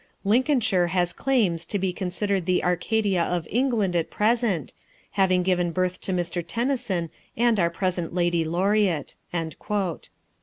Lincolnshire has claims to be considered the Arcadia of England at present, having given birth to Mr. Tennyson and our present Lady Laureate."